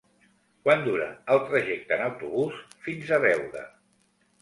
Quant dura el trajecte en autobús fins a Beuda?